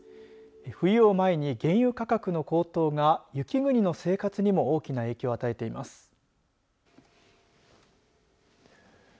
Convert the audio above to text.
冬を前に原油価格の高騰が雪国の生活にも大きな影響を与えています。